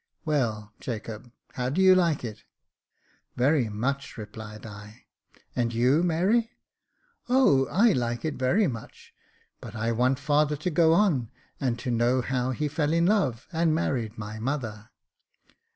Well, Jacob, how do you like it ?"" Very much," replied I. " And you, Mary?" " O ! I like it very much ; but I want father to go on, and to know how he fell in love, and married my mother."